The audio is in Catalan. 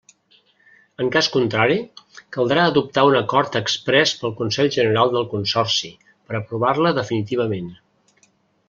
En cas contrari, caldrà adoptar un acord exprés del Consell General del Consorci, per aprovar-la definitivament.